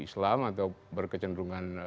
islam atau berkecenderungan